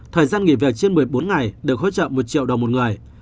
thời gian nghỉ việc trên một mươi bốn ngày được hỗ trợ một triệu đồng một người